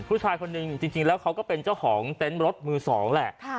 ผู้ชายคนนึงจริงแล้วเขาก็เป็นเจ้าของเต็นต์รถมือสองแหละ